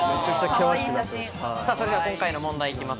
それでは今回の問題いきます。